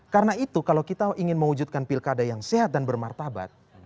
karena itu kalau kita ingin mewujudkan pilkada yang sehat dan bermartabat